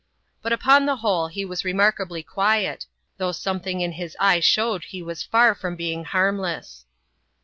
But, upon the whole, he was remarkably quiet, though something in his eye showed he was far from being harmless.